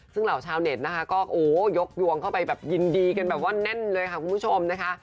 ซึ่งเหล่าชาวเน็ตนะคะก็โอ้ยกยวงเข้าไปแบบยินดีกันแบบว่าแน่นเลยค่ะคุณผู้ชมนะคะ